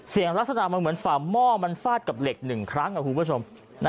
ลักษณะมันเหมือนฝ่าหม้อมันฟาดกับเหล็ก๑ครั้งคุณผู้ชม